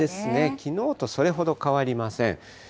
きのうとそれほど変わりません。